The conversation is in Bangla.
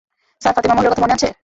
স্যার, ফাতিমা মহলের, কথা মনে আছে?